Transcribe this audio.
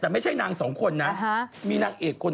แต่ก็สวยนะ